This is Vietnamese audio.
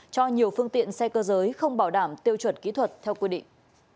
cho nhiều phương tiện xe cơ giới không bảo đảm tiêu chuẩn kỹ thuật theo quy định